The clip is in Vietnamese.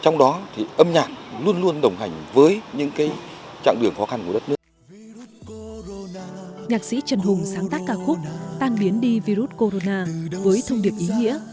nhạc sĩ trần hùng sáng tác ca khúc tăng biến đi virus corona với thông điệp ý nghĩa